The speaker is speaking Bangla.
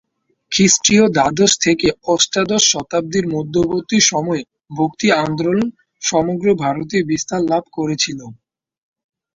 খ্রিষ্টীয় দ্বাদশ থেকে অষ্টাদশ শতাব্দীর মধ্যবর্তী সময়ে ভক্তি আন্দোলন সমগ্র ভারতেই বিস্তার লাভ করেছিল।